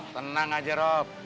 tenang aja rob